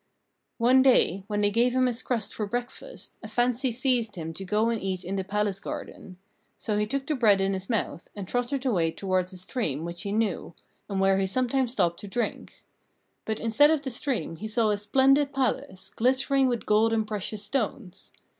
One day, when they gave him his crust for breakfast, a fancy seized him to go and eat it in the palace garden; so he took the bread in his mouth, and trotted away toward a stream which he knew, and where he sometimes stopped to drink. But instead of the stream he saw a splendid palace, glittering with gold and precious stones.